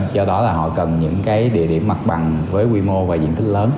do đó là họ cần những cái địa điểm mặt bằng với quy mô và diện tích lớn